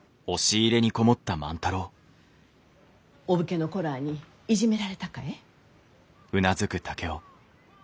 お武家の子らあにいじめられたかえ？